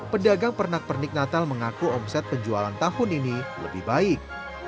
pedagang pernak pernik natal mengaku omset penjualan tahun ini lebih baik